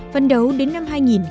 phần đầu đến năm hai nghìn hai mươi